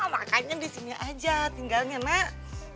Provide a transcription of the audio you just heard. makanya disini aja tinggalnya nak